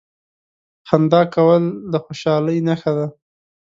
• خندا کول د خوشالۍ نښه ده.